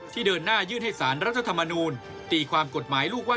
เดินหน้ายื่นให้สารรัฐธรรมนูลตีความกฎหมายลูกว่า